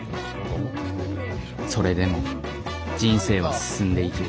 それでも人生は進んでいく。